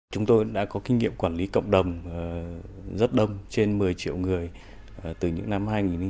chúng tôi đã có kinh nghiệm quản lý cộng đồng rất đông trên một mươi triệu người từ những năm hai nghìn sáu hai nghìn bảy